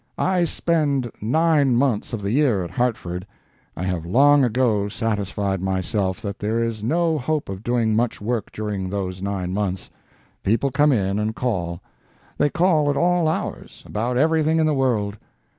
"I spend nine months of the year at Hartford. I have long ago satisfied myself that there is no hope of doing much work during those nine months. People come in and call. They call at all hours, about everything in the world.